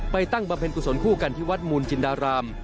ตั้งบำเพ็ญกุศลคู่กันที่วัดมูลจินดาราม